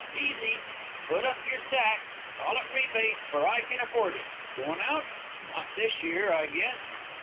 Easy! Put up your sack. Call it rebate, for I kin afford it. .. Goin' out? Not this year, I guess.